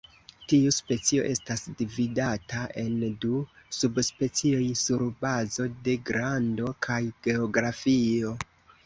Tiu specio estas dividata en du subspecioj sur bazo de grando kaj geografio.